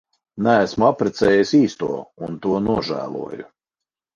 Neesmu apprecējis īsto un to nožēloju.